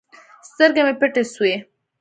سترګې مې پټې سوې.